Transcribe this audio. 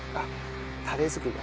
タレ作りだ。